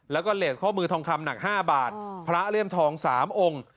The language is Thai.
แล้วก็เลสข้อมือทองคำหนัก๕บาทพระเลี่ยมทอง๓องค์